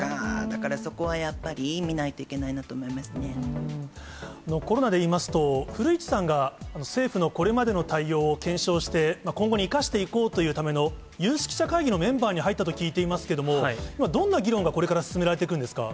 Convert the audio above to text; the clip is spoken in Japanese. だからそこはやっぱり、コロナでいいますと、古市さんが政府のこれまでの対応を検証して、今後に生かしていこうというための有識者会議のメンバーに入ったと聞いていますけれども、どんな議論がこれから進められていくんですか？